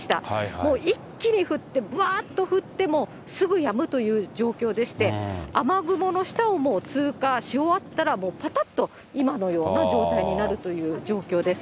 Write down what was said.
もう一気に降って、ばーっと降って、もうすぐやむという状況でして、雨雲の下をもう通過し終わったら、ぱたっと今のような状態になるという状況です。